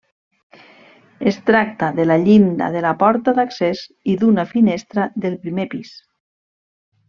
Es tracta de la llinda de la porta d'accés i d'una finestra del primer pis.